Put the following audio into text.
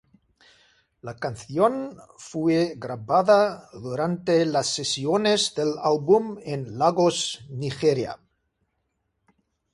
La canción fue grabada durante las sesiones del álbum en Lagos, Nigeria.